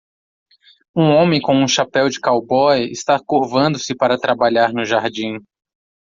Um homem com um chapéu de cowboy está curvando-se para trabalhar no jardim.